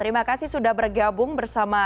terima kasih sudah bergabung bersama